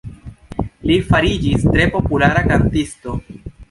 Li fariĝis tre populara kantisto.